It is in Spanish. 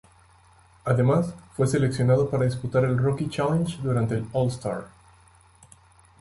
Además, fue seleccionado para disputar el Rookie Challenge durante el All-Star.